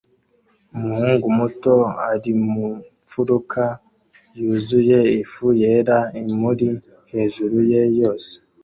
Umuhungu muto ari mu mfuruka yuzuye ifu yera imuri hejuru ye yose